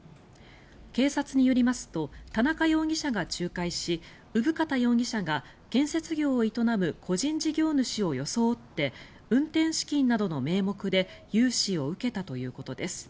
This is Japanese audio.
警察によりますと田中容疑者が仲介し生方容疑者が建設業を営む個人事業主を装って運転資金などの名目で融資を受けたということです。